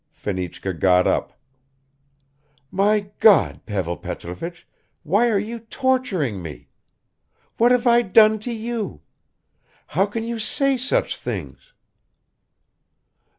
Fenichka got up. "My God, Pavel Petrovich, why are you torturing me? What have I done to you? How can you say such things?"